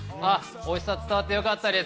おいしさ伝わってよかったです。